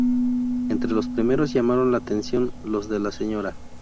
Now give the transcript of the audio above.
Entre los primeros llamaron la atención los de la Sra.